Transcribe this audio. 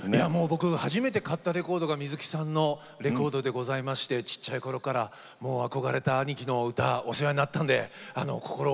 僕初めて買ったレコードが水木さんのレコードでございましてちっちゃい頃から憧れた兄貴の歌お世話になったんで心を込めて魂込めて歌わせて頂きます。